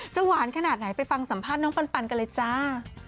หวานขนาดไหนไปฟังสัมภาษณ์น้องปันกันเลยจ้า